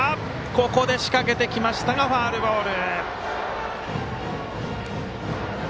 ここで仕掛けてきましたがファウルボール。